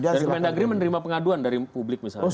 dan kementerian negeri menerima pengaduan dari publik misalnya